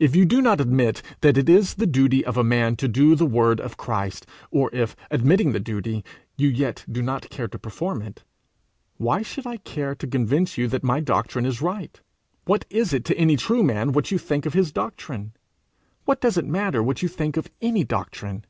If you do not admit that it is the duty of a man to do the word of Christ, or if, admitting the duty, you yet do not care to perform it, why should I care to convince you that my doctrine is right? What is it to any true man what you think of his doctrine? What does it matter what you think of any doctrine?